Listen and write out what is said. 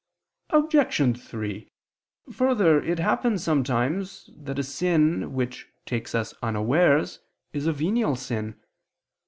Obj. 3: Further, it happens sometimes that a sin which takes us unawares, is a venial sin.